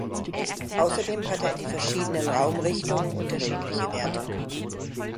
Außerdem hat er in die verschiedenen Raumrichtungen unterschiedliche Werte.